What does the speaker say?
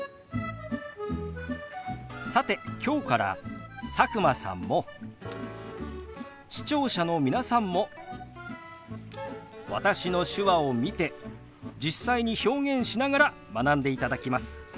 さて今日から佐久間さんも視聴者の皆さんも私の手話を見て実際に表現しながら学んでいただきます。